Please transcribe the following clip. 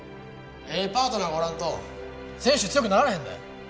ええパートナーがおらんと選手は強くなられへんで。